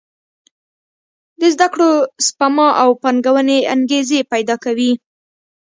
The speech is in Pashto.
د زده کړو، سپما او پانګونې انګېزې پېدا کوي.